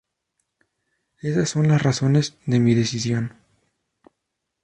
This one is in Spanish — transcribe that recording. Esas son las razones de mi decisión".